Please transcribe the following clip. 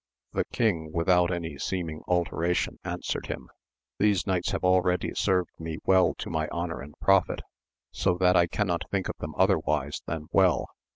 The king without any seeming alteration answered him. These knights have already served me well to my honour and profit, so that I cannot think of them otherwise than well.